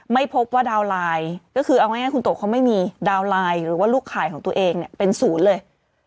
ไม่พบว่าดาวนไลน์ก็คือเอาง่ายคุณโตเขาไม่มีดาวน์ไลน์หรือว่าลูกขายของตัวเองเนี่ยเป็นศูนย์เลย